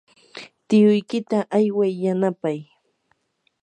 tiyuykita ayway yanapay.